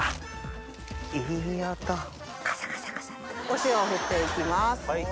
お塩を振って行きます。